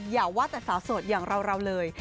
อย่าว่าแต่สาวโสดอย่างเราเลย